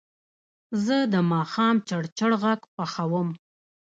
زه د ماښام چړچړ غږ خوښوم.